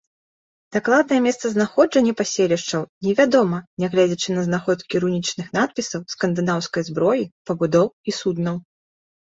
Дакладнае месцазнаходжанне паселішчаў невядома, нягледзячы на знаходкі рунічных надпісаў, скандынаўскай зброі, пабудоў і суднаў.